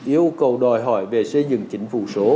yêu cầu đòi hỏi về xây dựng chính phủ số